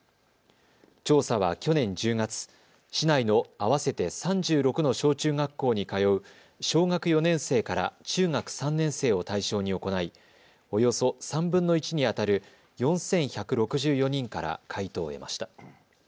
調査は去年１０月、市内の合わせて３６の小中学校に通う小学４年生から中学３年生を対象に行いおよそ３分の１にあたる４１６４人から回答を得ました。